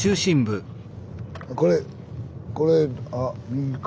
これこれあ右か。